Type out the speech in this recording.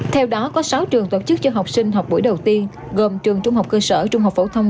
theo đó có sáu trường tổ chức cho học sinh học buổi đầu tiên gồm trường trung học cơ sở trung học phổ thông